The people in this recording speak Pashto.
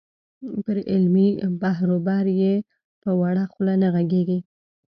پر علمي بحروبر یې په وړه خوله نه غږېږې.